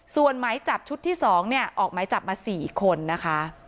ส่วนหมายจับชุดที่๒เนี่ยออกหมายจับมา๔คนนะคะ